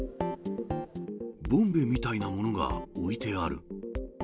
ボンベみたいなものが置いてある。